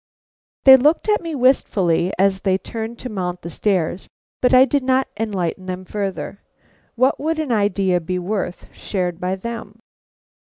They looked at me wistfully as they turned to mount the stairs, but I did not enlighten them further. What would an idea be worth shared by them!